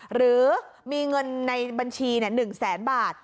หรือมีเงินในบัญชีเนี่ยวนุกจุ๑๐๐๐๐บาท